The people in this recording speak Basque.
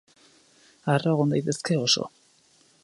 Harro egon daitezke oso.